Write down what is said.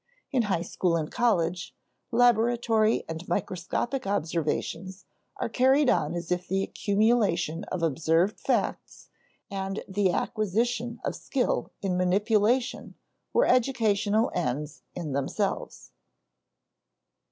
In high school and college, laboratory and microscopic observations are carried on as if the accumulation of observed facts and the acquisition of skill in manipulation were educational ends in themselves.